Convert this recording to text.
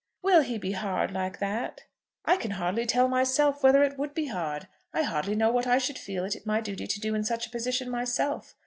"Will he be hard like that?" "I can hardly tell myself whether it would be hard. I hardly know what I should feel it my duty to do in such a position myself.